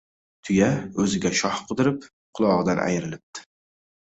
• Tuya o‘ziga shox qidirib, qulog‘idan ayrilibdi.